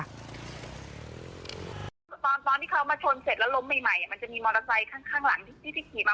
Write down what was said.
คือตอนที่เขามาชนเสร็จแล้วล้มใหม่มันจะมีมอเตอร์ไซค์ข้างหลังที่ขี่มา